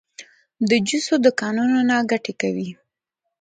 د جوسو دکانونه ګټه کوي؟